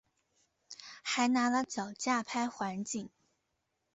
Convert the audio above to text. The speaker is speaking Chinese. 还拿了脚架拍环景